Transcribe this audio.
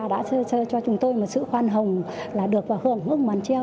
đã cho chúng tôi một sự hoan hồng là được và hưởng ước màn treo